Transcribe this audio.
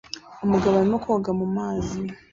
Umugabo arimo koga mu mazi